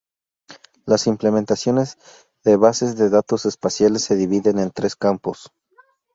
Las implementaciones de bases de datos espaciales se dividen en tres campos.